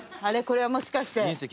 これはもしかして。